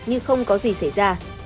như không có gì xảy ra